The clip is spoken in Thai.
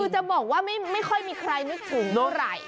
คือจะบอกว่าไม่ค่อยมีใครนึกถึงเท่าไหร่